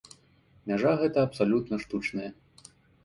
Мяжа гэта абсалютна штучная.